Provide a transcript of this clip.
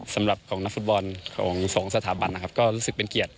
สำหรับของนักศึกษาสถาบันก็รู้สึกเป็นเกียรติ